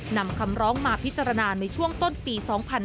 นำคำร้องมาพิจารณาในช่วงต้นปี๒๕๕๙